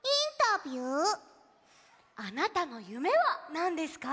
あなたのゆめはなんですか？